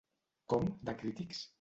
Com, de crítics?